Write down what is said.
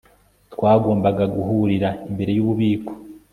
twagombaga guhurira imbere yububiko